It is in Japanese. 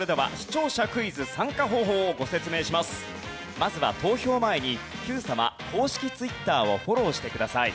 まずは投票前に『Ｑさま！！』公式ツイッターをフォローしてください。